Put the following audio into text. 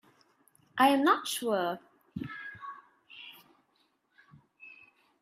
I am not sure.